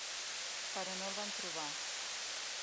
Però no el van trobar.